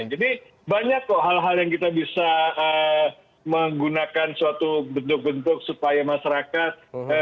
jadi banyak kok hal hal yang kita bisa menggunakan suatu bentuk bentuk supaya masyarakat